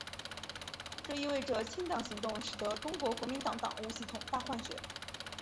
这意味着清党行动使得中国国民党党务系统大换血。